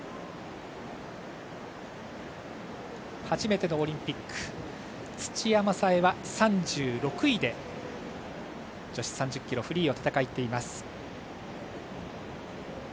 初めてのオリンピック土屋正恵は３６位で女子３０ｋｍフリーを戦っています。